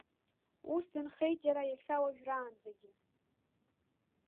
Ус дынхеит иара иахьа уажәраанӡагьы.